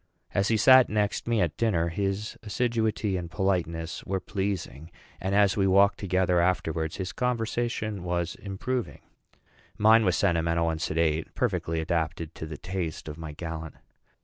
As he sat next me at dinner, his assiduity and politeness were pleasing; and as we walked together afterwards, his conversation was improving. Mine was sentimental and sedate perfectly adapted to the taste of my gallant.